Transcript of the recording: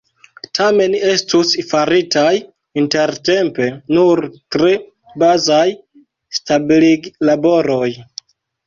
Tamen estus faritaj intertempe nur tre bazaj stabiliglaboroj.